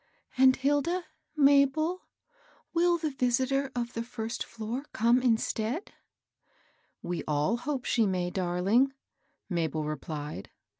"And, Hilda — Mabel — will the visitor of the first floor come instead ?" "We all hope she may, darling," Mabel re plied.